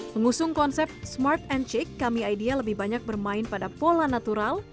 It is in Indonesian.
mengusung konsep smart and chick kami idea lebih banyak bermain pada pola natural